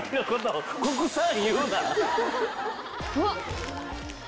うわっ！